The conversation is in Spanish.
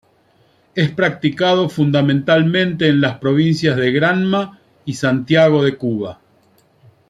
Es practicado fundamentalmente en las provincias de Granma y Santiago de Cuba.